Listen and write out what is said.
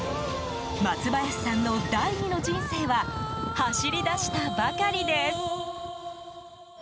松林さんの第２の人生は走り出したばかりです。